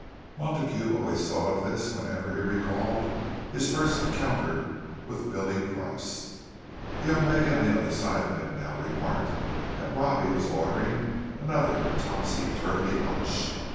Montague always thought of this whenever he recalled his first encounter with "Billy" Price. The young lady on the other side of him now remarked that Robbie was ordering another "topsy turvy lunch."